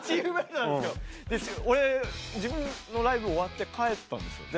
俺自分のライブ終わって帰ったんですよ。